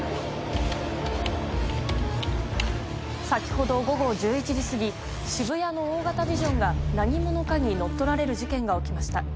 先ほど午後１１時過ぎ渋谷の大型ビジョンが何者かに乗っ取られる事件が起きました。